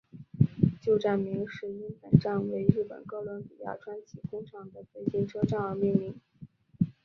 旧站名是因本站为日本哥伦比亚川崎工厂的最近车站而命名。